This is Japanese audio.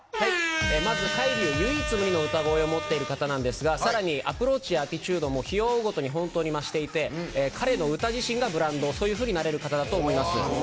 まずＫＡＩＲＹＵさん唯一無二の歌声を持っている方なんですがさらにアティチュードが日を追うごとに本当に増していて彼の歌自身がそういうふうになれる方だと思います。